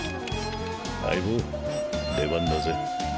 相棒出番だぜ。